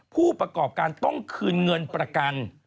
ผู้ประกอบการต้องคืนเงินประกัน